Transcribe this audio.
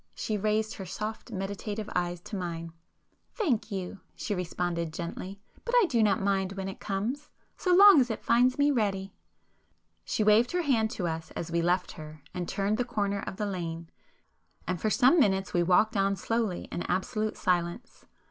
She raised her soft meditative eyes to mine. "Thank you!" she responded gently—"But I do not mind when it comes, so long as it finds me ready." She waved her hand to us as we left her and turned the corner of the lane,—and for some minutes we walked on slowly in absolute silence.